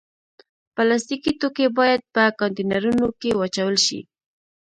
پلاستيکي توکي باید په کانټینرونو کې واچول شي.